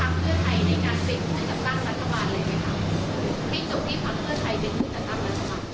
ให้จุดที่ภักษ์เพื่อไทยเป็นผู้ตัดตั้งรัฐบาล